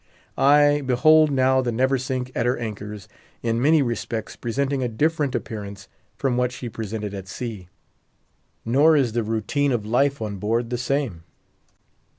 Ay, behold now the Neversink at her anchors, in many respects presenting a different appearance from what she presented at sea. Nor is the routine of life on board the same.